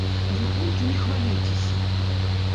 Вы толькі не хвалюйцеся.